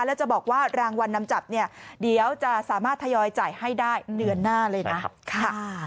แล้วจะบอกว่ารางวัลนำจับเนี่ยเดี๋ยวจะสามารถทยอยจ่ายให้ได้เดือนหน้าเลยนะ